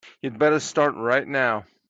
You'd better start right now.